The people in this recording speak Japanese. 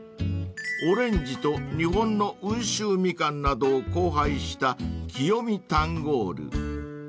［オレンジと日本の温州みかんなどを交配した清見タンゴール］